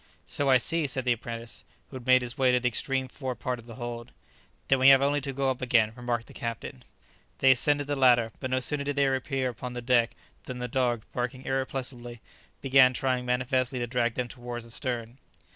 "So I see," said the apprentice, who had made his way to the extreme fore part of the hold. "Then we have only to go up again," remarked the captain. They ascended the ladder, but no sooner did they reappear upon the deck than the dog, barking irrepressibly, began trying manifestly to drag them towards the stern.